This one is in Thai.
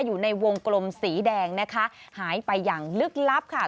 อยู่ในวงกลมสีแดงนะคะหายไปอย่างลึกลับค่ะ